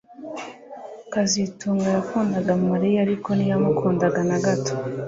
kazitunga yakundaga Mariya ariko ntiyamukunda na gato